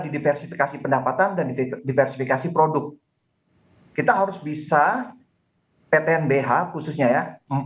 didiversifikasi pendapatan dan diversifikasi produk kita harus bisa ptnbh khususnya ya